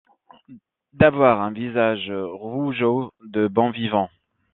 D’avoir un visage rougeaud de bon vivant.